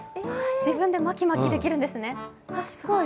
自分で巻き巻きできるんですね、賢い。